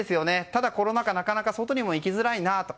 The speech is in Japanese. ただ、コロナ禍はなかなか外にも行きづらいなと。